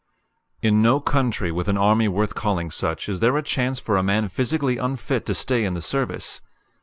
In no country with an army worth calling such is there a chance for a man physically unfit to stay in the service.